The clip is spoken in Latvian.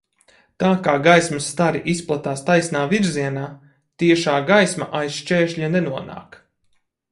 Tā kā gaismas stari izplatās taisnā virzienā, tiešā gaisma aiz šķēršļa nenonāk.